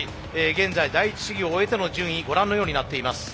現在第一試技を終えての順位ご覧のようになっています。